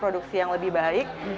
produksi yang lebih baik